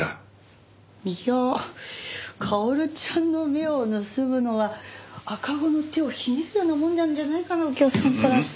いや薫ちゃんの目を盗むのは赤子の手をひねるようなもんなんじゃないかな右京さんからしたら。